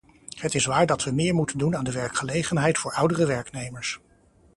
Het is waar dat we meer moeten doen aan de werkgelegenheid voor oudere werknemers.